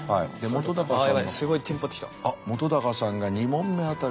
本さんも。